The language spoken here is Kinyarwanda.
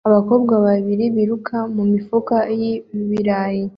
Abakobwa babiri biruka mu mifuka y'ibirayi